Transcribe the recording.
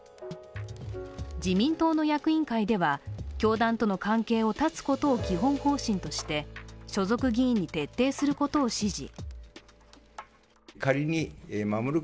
自民党の役員会では教団との関係を絶つことを基本方針として所属議員に徹底することを指示。